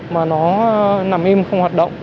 mà nó nằm im không hoạt động